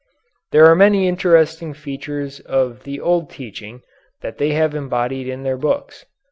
There are many interesting features of the old teaching that they have embodied in their books.